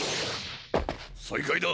再開だ！